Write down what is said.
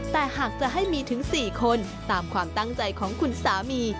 แต่หากจะให้มีถึง๔คนตามความตั้งใจของคุณสามี